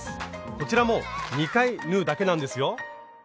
こちらも２回縫うだけなんですよ。